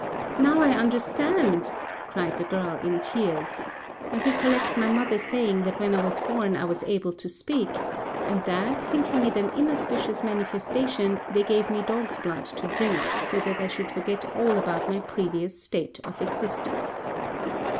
"Now I understand," cried the girl, in tears; "I recollect my mother saying that when I was born I was able to speak; and that, thinking it an inauspicious manifestation, they gave me dog's blood to drink, so that I should forget all about my previous state of existence.